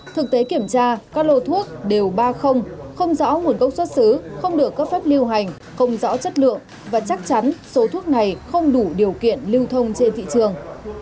thực tế kiểm tra các lô thuốc đều ba không rõ nguồn gốc xuất xứ không được cấp phép lưu hành không rõ chất lượng và chắc chắn số thuốc này không đủ điều kiện lưu thông trên thị trường